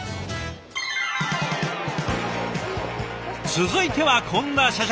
続いてはこんな社食。